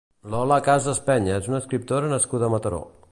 Lola Casas Peña és una escriptora nascuda a Mataró.